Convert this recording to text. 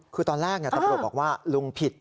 คือตอนแรกตำรวจบอกว่าลุงผิด